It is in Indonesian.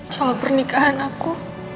soal pernikahan aku